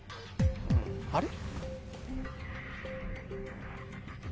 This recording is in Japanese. あれ？